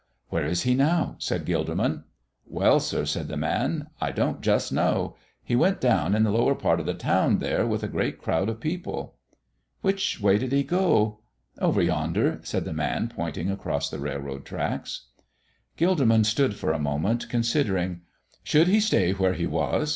"Where is He now?" said Gilderman. "Well, sir," said the man, "I don't just know. He went down in the lower part of the town, there, with a great crowd of people." "Which way did He go?" "Over yonder," said the man, pointing across the railroad tracks. Gilderman stood for a moment considering. Should he stay where he was?